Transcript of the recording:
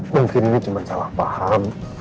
mungkin ini cuma salah paham